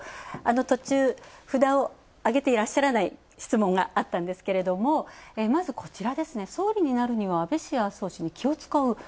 途中、札を上げていらっしゃらない質問があったんですけれども、まず、総理になるには安倍氏や麻生氏に気を遣う。